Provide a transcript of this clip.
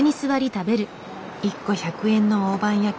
１個１００円の大判焼き。